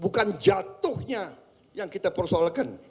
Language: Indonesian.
bukan jatuhnya yang kita persoalkan